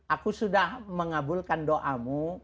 aku sudah mengabulkan doamu